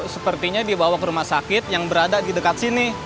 sepertinya dibawa ke rumah sakit yang berada di dekat sini